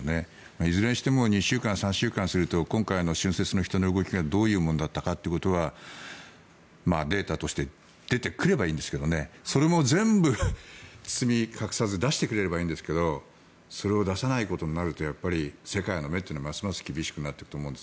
いずれにしても２週間、３週間すると今回の春節の人の動きがどういうものだったかというのがデータとして出てくればいいんですけどそれも全部包み隠さず出してくれればいいんですがそれを出さないことになると世界の目はますます厳しくなってくると思います。